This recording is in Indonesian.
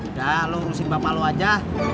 udah lo urusin bapak lo aja